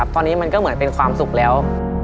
ตอนนี้มันก็เหมือนเป็นความสุขแล้ว